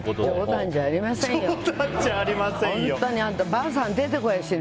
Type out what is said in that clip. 冗談じゃありませんよ！